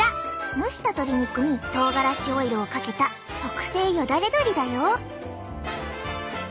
蒸した鶏肉にとうがらしオイルをかけた特製よだれどりだよ！